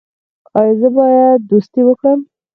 ایا زه باید دوستي وکړم؟